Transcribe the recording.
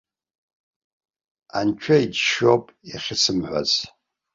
Анцәа иџьшьоуп иахьысымҳәаз.